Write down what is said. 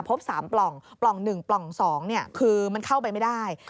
พบ๓ปล่องปล่อง๑ปล่อง๒คือมันเข้าไปไม่ได้